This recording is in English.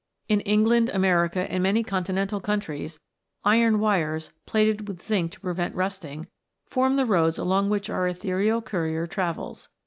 In England, America, and many continental countries, iron wires, plated with zinc to prevent rusting, form the roads along which our ethereal courier travels.